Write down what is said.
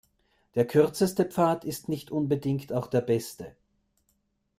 Der kürzeste Pfad ist nicht unbedingt auch der beste.